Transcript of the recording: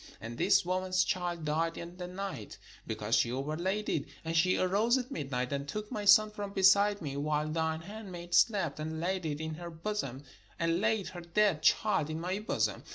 And this woman's child died in the night; because she overlaid it. And she arose at midnight, and took my son from beside me, while thine handmaid slept, and laid it in her bosom, and laid her dead child in my bosom.